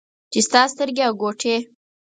چې ستا سترګې او ګوټې